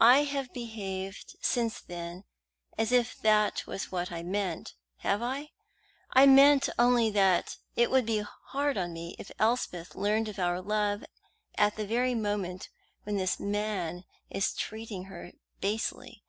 I have behaved since then as if that was what I meant, have I? I meant only that it would be hard on me if Elspeth learned of our love at the very moment when this man is treating her basely.